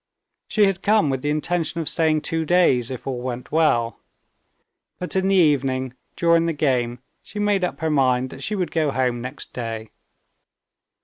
She had come with the intention of staying two days, if all went well. But in the evening, during the game, she made up her mind that she would go home next day.